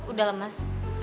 udah lah mas